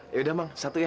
ya udah mang satu ya